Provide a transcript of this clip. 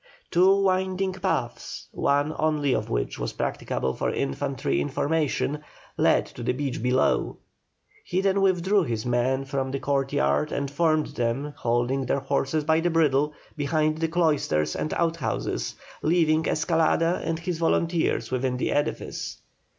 Two winding paths, one only of which was practicable for infantry in formation, led to the beach below. He then withdrew his men from the courtyard and formed them, holding their horses by the bridle, behind the cloisters and outhouses, leaving Escalada and his volunteers within the edifice.